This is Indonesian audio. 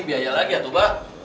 biaya lagi ya tuh abah